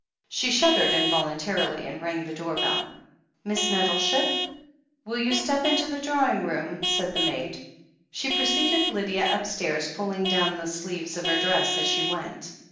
She shuddered involuntarily, and rang the door bell. "MissNettleship?" "Will you step up into the drawing room?" said the maid. She preceded Lydia upstairs, pulling down the sleeves of her dress as she went.